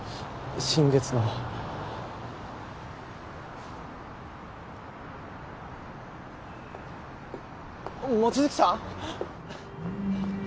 新月の望月さん？